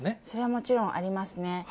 それはもちろんありますね。